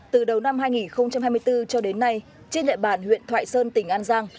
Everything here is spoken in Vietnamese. từ đầu năm hai nghìn hai mươi bốn cho đến nay trên địa bàn huyện thoại sơn tỉnh an giang